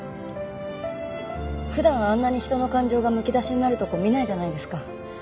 普段あんなに人の感情がむき出しになるとこ見ないじゃないですか。